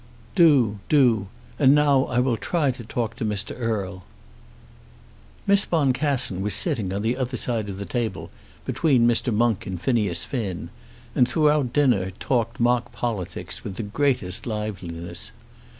"Do, do. And now I will try to talk to Mr. Erle." Miss Boncassen was sitting on the other side of the table, between Mr. Monk and Phineas Finn, and throughout the dinner talked mock politics with the greatest liveliness.